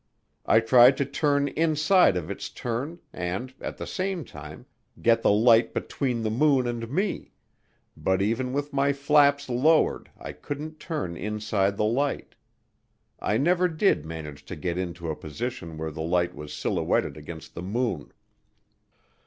I tried to turn inside of its turn and, at the same time, get the light between the moon and me, but even with my flaps lowered I couldn't turn inside the light. I never did manage to get into a position where the light was silhouetted against the moon.